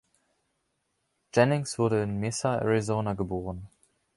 Jennings wurde in Mesa, Arizona geboren.